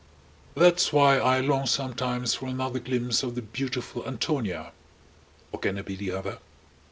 That's why I long sometimes for another glimpse of the "beautiful Antonia" (or can it be the Other?)